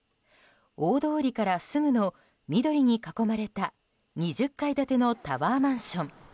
大通りからすぐの緑に囲まれた２０階建てのタワーマンション。